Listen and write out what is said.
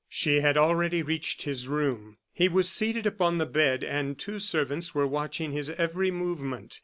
She had already reached his room. He was seated upon the bed, and two servants were watching his every movement.